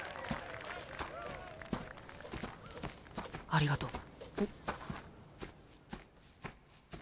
ありがとう。え。